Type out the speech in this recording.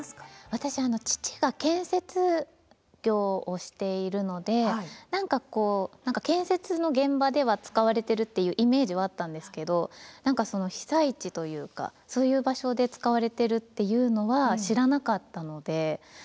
私父が建設業をしているので何か建設の現場では使われてるっていうイメージはあったんですけど何か被災地というかそういう場所で使われてるっていうのは知らなかったのでああそうなんだなって思いましたね